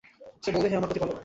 সে বলবে, হে আমার প্রতিপালক!